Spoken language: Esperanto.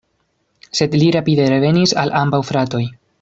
Sed li rapide revenis al ambaŭ fratoj.